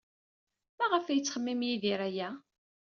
Maɣef ay yettxemmim Yidir aya?